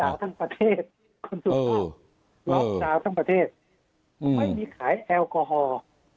ล็อคดาวทั้งประเทศไม่มีขายแอลกอฮอล์